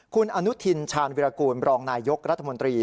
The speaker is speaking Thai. คุณอนุทินชาญวิรากูลบรองนายยกรัฐมนตรี